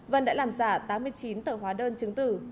vân đã làm giả tám mươi chín tờ hóa đơn chứng tử